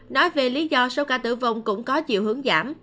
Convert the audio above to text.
nói về lý do số ca tử vong cũng có chiều hướng giảm